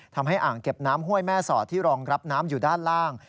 อ่างเก็บน้ำห้วยแม่สอดที่รองรับน้ำอยู่ด้านล่าง